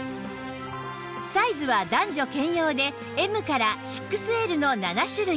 サイズは男女兼用で Ｍ から ６Ｌ の７種類